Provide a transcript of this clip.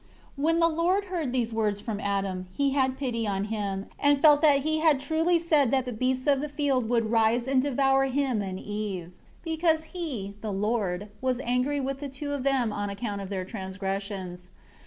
7 When the Lord heard these words from Adam, He had pity on him, and felt that he had truly said that the beasts of the field would rise and devour him and Eve, because He, the Lord, was angry with the two of them on account of their transgressions.